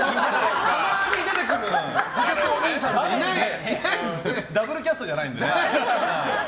たまに出てくる補欠おにいさんとかダブルキャストじゃないんでね。